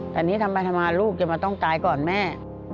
แต่นี่ทำไปทำมาลูกจะมาต้องตายก่อนแม่